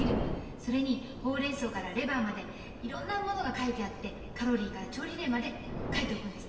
それにホウレンソウからレバーまでいろんなものが書いてあってカロリーから調理例まで書いておくんです。